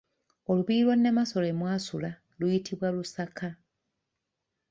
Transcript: Olubiri lwa Namasole mwasula luyitibwa Lusaka.